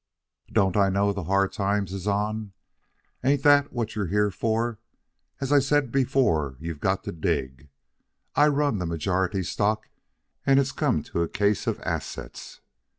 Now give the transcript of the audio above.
Don't I know the hard times is on? Ain't that what you're here for? As I said before, you've got to dig. I run the majority stock, and it's come to a case of assess.